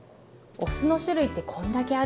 お酢の種類ってこんだけあるんです。